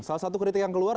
salah satu kritik yang keluar